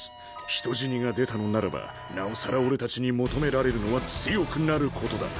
人死にが出たのならばなおさら俺たちに求められるのは強くなることだ。